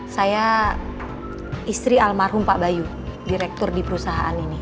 saya istri almarhum pak bayu direktur di perusahaan ini